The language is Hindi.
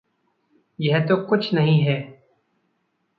यह तो कुछ नहीं है।